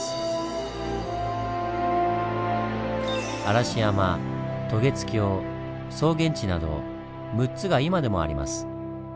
嵐山渡月橋曹源池など６つが今でもあります。